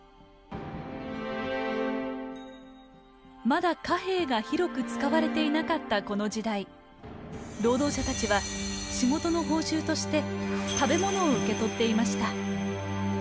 まだ貨幣が広く使われていなかったこの時代労働者たちは仕事の報酬として食べ物を受け取っていました。